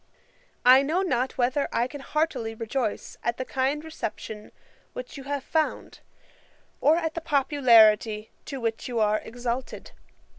'I know not whether I can heartily rejoice at the kind reception which you have found, or at the popularity to which you are exalted.